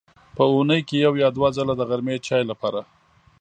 په اوونۍ کې یو یا دوه ځله د غرمې چای لپاره.